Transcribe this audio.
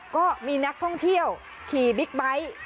ก็มีนักท่องเที่ยวขี่บิ๊กไบท์